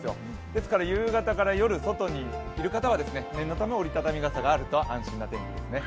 ですから夕方から夜、外にいる方は念のため折り畳み傘があると安心な天気ですね。